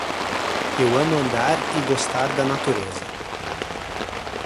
Eu amo andar e gostar da natureza.